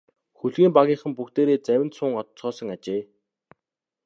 Хөлгийн багийнхан бүгдээрээ завинд суун одоцгоосон ажээ.